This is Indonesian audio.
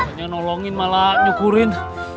banyak nolongin malah nyukurin